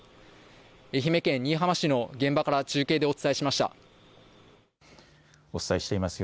愛媛県新居浜市の現場から中継でお伝えしました。